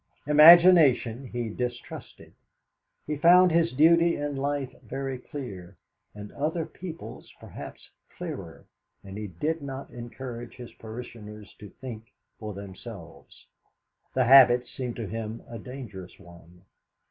Imagination he distrusted. He found his duty in life very clear, and other people's perhaps clearer, and he did not encourage his parishioners to think for themselves. The habit seemed to him a dangerous one.